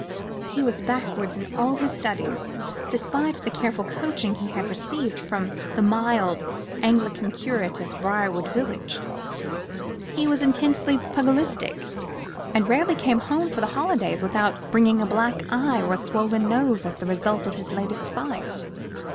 He was backwards in all his studies, despite the careful coaching he had received from the mild Anglican curate of Briarwood village. He was intensely pugilistic, and rarely came home for the holidays without bringing a black eye or a swollen nose as the result of his latest fight.